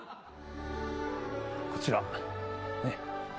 こちらねっ。